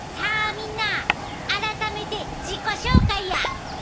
みんな改めて自己紹介や！